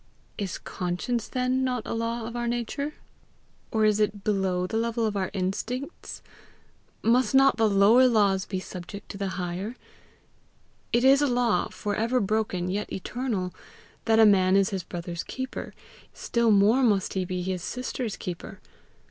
"Is conscience then not a law of our nature? Or is it below the level of our instincts? Must not the lower laws be subject to the higher? It is a law for ever broken, yet eternal that a man is his brother's keeper: still more must he be his sister's keeper.